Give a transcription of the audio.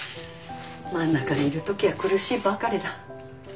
真ん中にいる時は苦しいばかりだ。